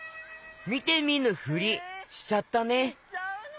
みてみぬふりしちゃったね。